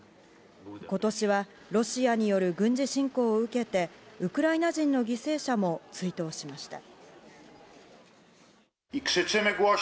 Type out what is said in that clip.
今年はロシアによる軍事侵攻を受けて、ウクライナ人の犠牲者も追悼しました。